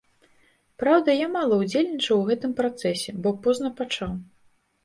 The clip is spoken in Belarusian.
Праўда, я мала ўдзельнічаў у гэтым працэсе, бо позна пачаў.